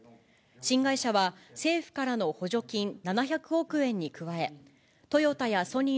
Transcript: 新会社は、政府からの補助金７００億円に加え、トヨタやソニ